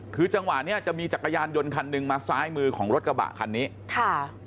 คือจังหวะเนี้ยจะมีจักรยานยนต์คันหนึ่งมาซ้ายมือของรถกระบะคันนี้ค่ะ